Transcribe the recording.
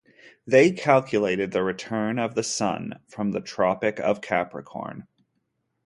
They calculated the return of the sun from the tropic of Capricorn.